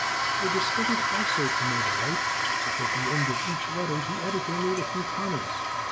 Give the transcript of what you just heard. I discovered also, to my delight, that at the end of each letter the Editor made a few comments.